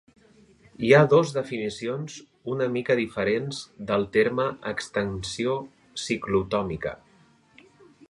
Hi ha dos definicions una mica diferents del terme extensió ciclotòmica.